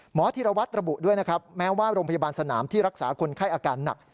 ธีรวัตรระบุด้วยนะครับแม้ว่าโรงพยาบาลสนามที่รักษาคนไข้อาการหนัก